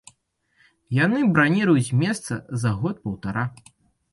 Яны браніруюць месца за год-паўтара.